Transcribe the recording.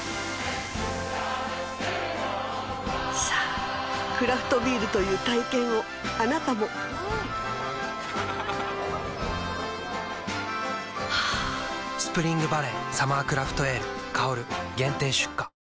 さぁクラフトビールという体験をあなたも「スプリングバレーサマークラフトエール香」限定出荷